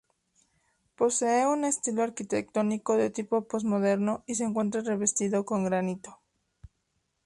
Posee un estilo arquitectónico de tipo posmoderno y se encuentra revestido con granito.